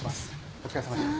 お疲れさまでした。